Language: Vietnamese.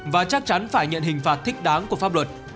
và chắc chắn phải nhận hình phạt thích đáng của pháp luật